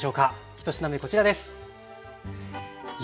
１品目こちらです。